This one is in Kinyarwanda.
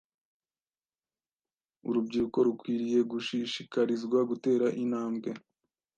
urubyiruko rukwiriye gushishikarizwa gutera intambwe